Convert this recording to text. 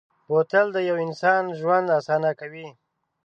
بوتل د یو انسان ژوند اسانه کوي.